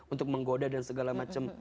untuk menggoda dan segala macam